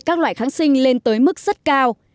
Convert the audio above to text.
các loại kháng sinh lên tới mức rất cao